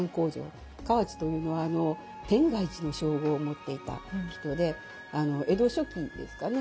河内というのは天下一の称号を持っていた人で江戸初期ですかね